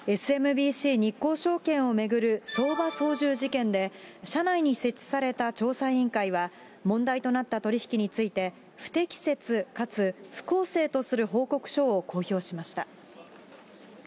ＳＭＢＣ日興証券を巡る相場操縦事件で、社内に設置された調査委員会は、問題となった取り引きについて、不適切かつ不公正とする報告書を公表しました。